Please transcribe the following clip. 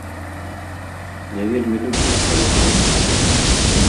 Я вельмі люблю сваю краіну.